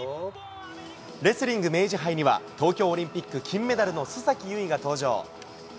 レスリング明治杯には、東京オリンピック金メダルの須崎優衣が登場。